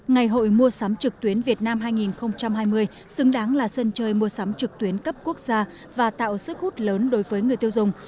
ngày hội mua sắm trực tuyến việt nam hai nghìn hai mươi xứng đáng là sân chơi mua sắm trực tuyến cấp quốc gia và tạo sức hút lớn đối với người tiêu dùng